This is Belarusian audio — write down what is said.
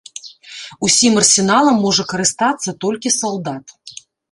Усім арсеналам можа карыстацца толькі салдат.